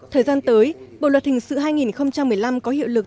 thời gian tới bộ luật hình sự hai nghìn một mươi năm có hiệu lực